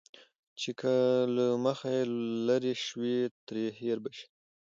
چې که له مخه يې لرې شوې، ترې هېر به شې.